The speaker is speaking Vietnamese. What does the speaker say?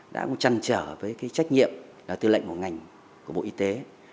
đã trăn trở với cái trách nhiệm là tư lệnh của ngành của bộ y tế